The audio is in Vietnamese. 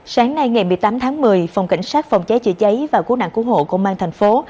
sáng nay ngày một mươi tám tháng một mươi phòng cảnh sát phòng cháy chữa cháy và cứu nạn cứu hộ công an thành phố